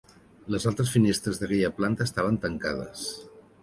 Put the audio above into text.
Les altres finestres d'aquella planta estaven tancades.